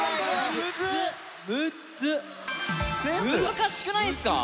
難しくないっすか？